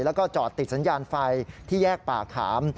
แล้วก็จอดติดสัญญาณไฟที่แยกป่าขาม